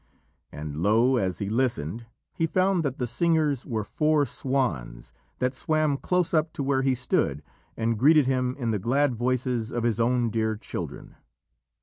And lo, as he listened, he found that the singers were four swans, that swam close up to where he stood, and greeted him in the glad voices of his own dear children.